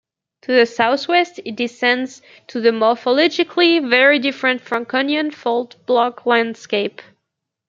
To the southwest it descends to the morphologically very different Franconian fault-block landscape.